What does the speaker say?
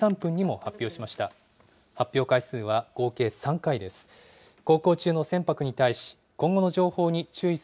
発表回数は合計３回です。